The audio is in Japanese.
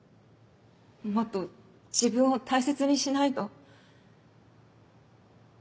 もっと自分を大切にしないと。